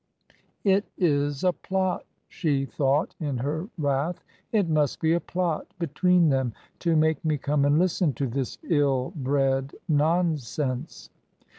" It is a plot," she thought in her wrath ;" it must be a plot between them to make me come and listen to this ill bred nonsense."